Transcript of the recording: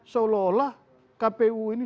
seolah olah kpu ini